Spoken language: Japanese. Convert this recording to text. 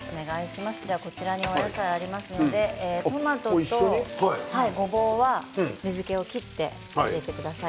こちらにお野菜がありますのでトマトとごぼうは水けを切って入れてください。